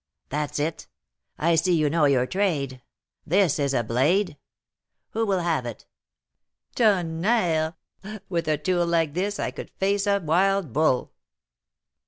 That's it; I see you know your trade. This is a blade! Who will have it? Tonnerre! with a tool like this I could face a wild bull."